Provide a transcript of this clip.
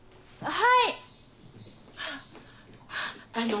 はい。